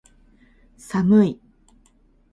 寒い